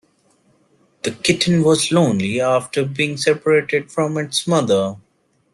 The kitten was lonely after being separated from its mother.